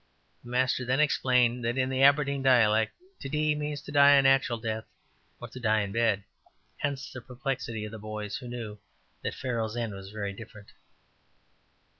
'' The master then explained that in the Aberdeen dialect ``to dee'' means to die a natural death, or to die in bed: hence the perplexity of the boys, who knew that Pharaoh's end was very different.'